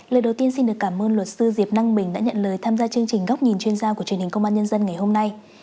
lời đầu tiên xin được cảm ơn luật sư diệp năng mình đã nhận lời tham gia chương trình góc nhìn chuyên gia của truyền hình công an nhân dân ngày hôm nay